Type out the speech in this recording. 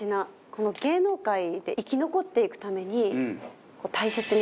この芸能界で生き残っていくために大切にしている事。